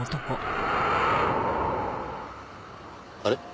あれ？